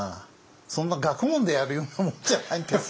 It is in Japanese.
そんな学問でやるようなもんじゃないんですよ